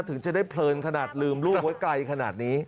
ถึงจะได้เพลินขนาดลืมลูกไว้ไกลขนาดนี้